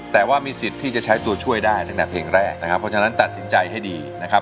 เพราะฉะนั้นตัดสินใจให้ดีนะครับ